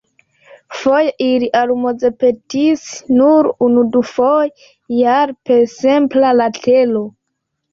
Foje ili almozpetis nur unu-dufoje jare per simpla letero.